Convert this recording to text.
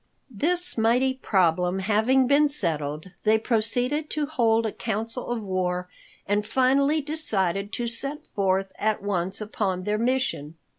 This mighty problem having been settled, they proceeded to hold a council of war and finally decided to set forth at once upon their mission.